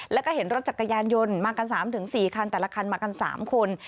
แล้วก็เห็นรถจักรยานยนต์มากัน๓๔คันแต่ละคันมากัน๓คน